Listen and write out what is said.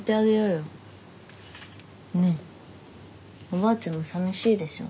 おばあちゃんもさみしいでしょ。